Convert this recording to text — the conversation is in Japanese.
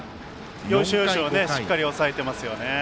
要所要所しっかり抑えていますよね。